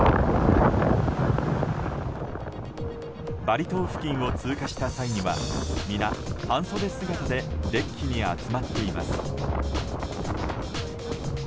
バリ島付近を通過した際には皆、半袖姿でデッキに集まっています。